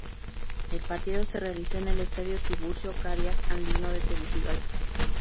El partido se realizó en el Estadio Tiburcio Carías Andino de Tegucigalpa.